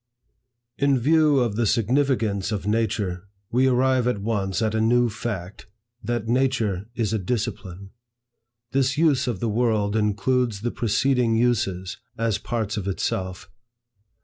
IN view of the significance of nature, we arrive at once at a new fact, that nature is a discipline. This use of the world includes the preceding uses, as parts of itself.